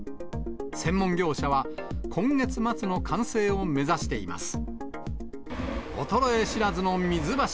専門業者は今月末の完成を目指しています。